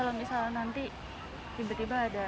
rencananya ibu gimana